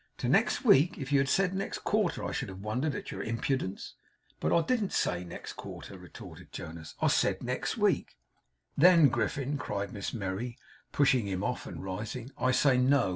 'To next week! If you had said next quarter, I should have wondered at your impudence.' 'But I didn't say next quarter,' retorted Jonas. 'I said next week.' 'Then, Griffin,' cried Miss Merry, pushing him off, and rising. 'I say no!